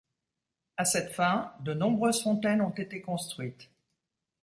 A cette fin, de nombreuses fontaines ont été construites.